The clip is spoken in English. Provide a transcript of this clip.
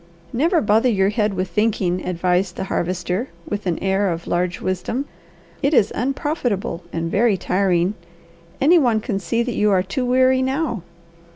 "Never bother your head with thinking," advised the Harvester with an air of large wisdom. "It is unprofitable and very tiring. Any one can see that you are too weary now.